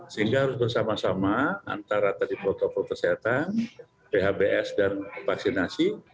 sehingga harus bersama sama antara tadi protokol kesehatan phbs dan vaksinasi